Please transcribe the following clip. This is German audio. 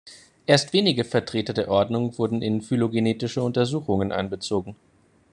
Erst wenige Vertreter der Ordnung wurden in phylogenetische Untersuchungen einbezogen.